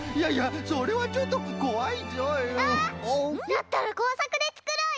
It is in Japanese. だったらこうさくでつくろうよ！